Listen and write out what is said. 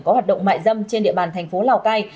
có hoạt động mại dâm trên địa bàn thành phố lào cai